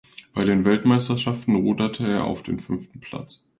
Bei den Weltmeisterschaften ruderte er auf den fünften Platz.